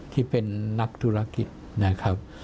ที่เป็นนักธุรกิจนะครับ